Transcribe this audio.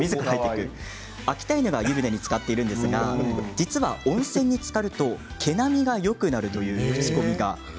秋田犬が湯船につかっていますが実は温泉につかると毛並みがよくなるという口コミが。